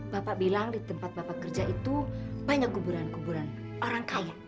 bapak bilang di tempat bapak kerja itu banyak kuburan kuburan orang kaya